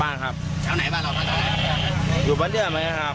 เราจะกลับบ้านเชิดแต่เรามาจากไหน